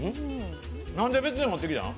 なんで別で持ってきたん。